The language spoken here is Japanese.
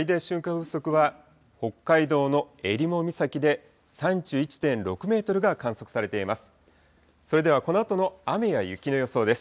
風速は、北海道のえりも岬で３１．６メートルが観測されています。